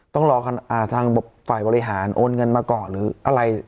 ต้องรอทางฝ่ายบริหารโอนเงินมาก่อนหรืออะไร